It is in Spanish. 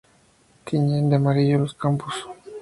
Tiñen de amarillo los campos.